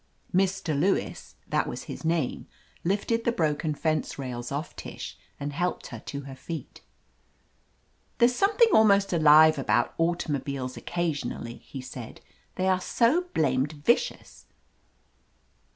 Mr. Lewis — that was his name — ^lifted the broken fence rails off Tish and helped her to her feet. "There's something almost alive about auto mobiles occasionally," he said. "They are so blamed vicious."